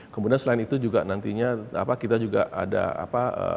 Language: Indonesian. kemudian selain itu juga nantinya kita juga ada apa